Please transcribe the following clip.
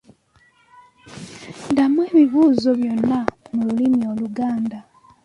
Ddamu ebibuuzo byonna mu lulimi Oluganda.